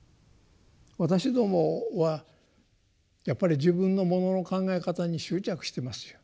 私どもはやっぱり自分のものの考え方に執着してますよ。